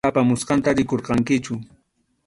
Waka apamusqanta rikurqankichu.